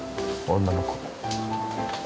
女の子。